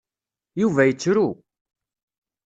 Yuba yettru.